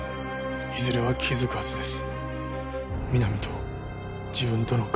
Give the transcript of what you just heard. いずれは気づくはずです